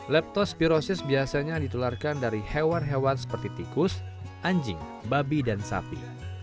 leptospirosis biasanya ditularkan dari hewan hewan seperti tikus anjing babi dan sapi